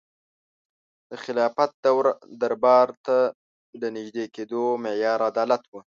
د خلافت دربار ته د نژدې کېدو معیار عدالت و.